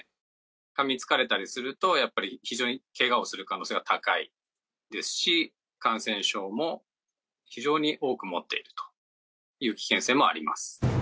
噛みつかれたりするとやっぱり非常にケガをする可能性が高いですし感染症も非常に多く持っているという危険性もあります。